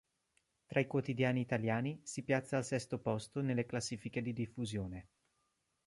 Tra i quotidiani italiani, si piazza al sesto posto nelle classifiche di diffusione.